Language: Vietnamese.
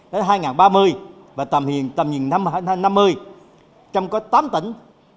đến hai nghìn ba mươi và tầm hiện năm hai nghìn năm mươi trong có tám tỉnh